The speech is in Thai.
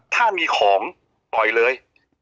ถ้ามีของปล่อยเลย